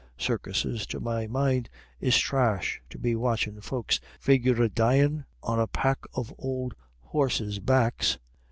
Circuses, to my mind, is thrash to be watchin' folks figurandyin' on a pack of ould horses' backs.